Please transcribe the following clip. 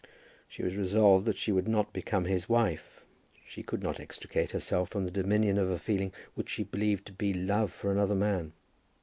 She was resolved that she would not become his wife. She could not extricate herself from the dominion of a feeling which she believed to be love for another man.